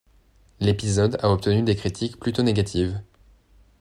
L'épisode a obtenu des critiques plutôt négatives.